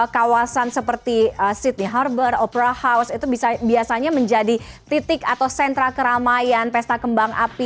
kawasan seperti sydney harbor opera house itu biasanya menjadi titik atau sentra keramaian pesta kembang api